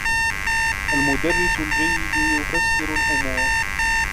المدرّس الجيّد يفسّر الأمور.